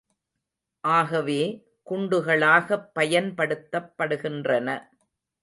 ஆகவே, குண்டுகளாகப் பயன்படுத்தப்படுகின்றன.